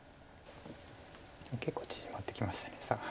結構縮まってきました差が。